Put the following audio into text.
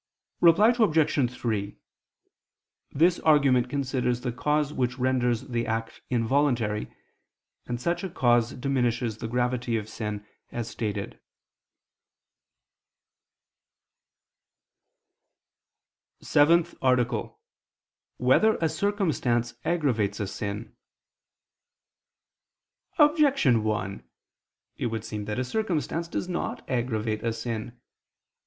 Reply Obj. 3: This argument considers the cause which renders the act involuntary, and such a cause diminishes the gravity of sin, as stated. ________________________ SEVENTH ARTICLE [I II, Q. 73, Art. 7] Whether a Circumstance Aggravates a Sin? Objection 1: It would seem that a circumstance does not aggravate a sin.